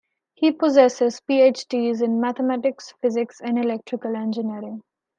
He possesses PhDs in mathematics, physics, and electrical engineering.